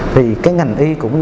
thì cái ngành y cũng như vậy